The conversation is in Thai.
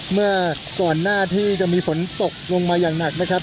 เมื่อก่อนหน้าที่จะมีฝนตกลงมาอย่างหนักนะครับ